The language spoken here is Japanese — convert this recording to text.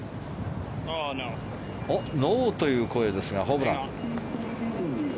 ノーという声ですがホブラン。